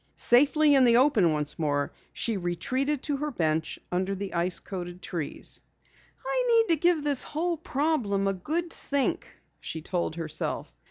Safely in the open once more she retreated to her bench under the ice coated trees. "I need to give this whole problem a good think," she told herself.